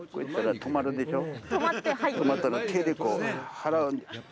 止まったら、手で、こう払う。